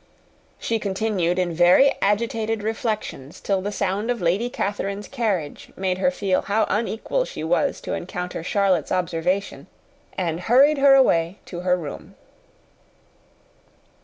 She continued in very agitating reflections till the sound of Lady Catherine's carriage made her feel how unequal she was to encounter Charlotte's observation, and hurried her away to her room.